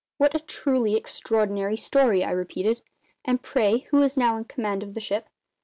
"What a truly extraordinary story!" I repeated. "And, pray, who is now in command of the ship?"